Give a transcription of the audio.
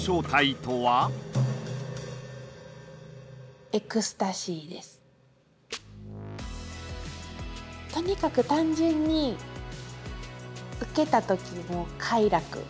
とにかく単純にウケた時の快楽。